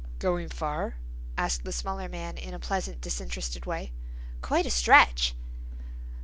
"Going far?" asked the smaller man in a pleasant disinterested way. "Quite a stretch."